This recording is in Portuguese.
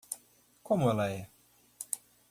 Como ela é?